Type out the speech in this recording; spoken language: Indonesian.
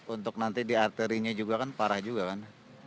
untuk nanti di arterinya juga kan parah juga kan